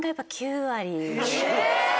え！